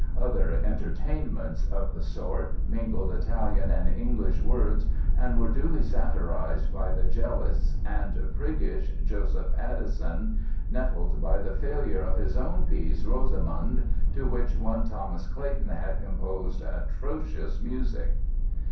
Other "entertainments" of the sort mingled Italian and English words and were duly satirized by the jealous and priggish Joseph Addison, nettled by the failure of his own piece, "Rosamund", to which one Thomas Clayton had composed atrocious music.